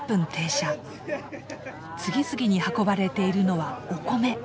次々に運ばれているのはお米。